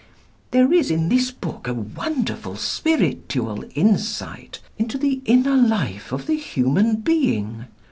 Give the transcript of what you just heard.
There is in this book a wonderful spiritual insight into the inner life of the human being.